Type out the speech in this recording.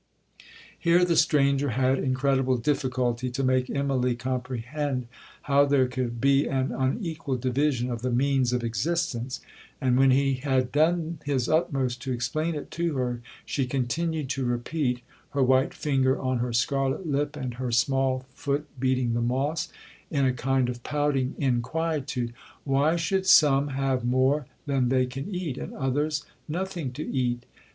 'Here the stranger had incredible difficulty to make Immalee comprehend how there could be an unequal division of the means of existence; and when he had done his utmost to explain it to her, she continued to repeat, (her white finger on her scarlet lip, and her small foot beating the moss), in a kind of pouting inquietude, 'Why should some have more than they can eat, and others nothing to eat?'